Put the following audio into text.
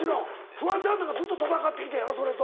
フワちゃんなんかずっと戦ってきてんやろそれと。